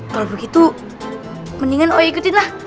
kalau begitu mendingan oh ikutin lah